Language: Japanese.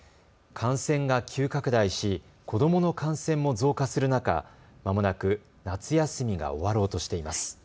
感染が急拡大し、子どもの感染も増加する中、まもなく夏休みが終わろうとしています。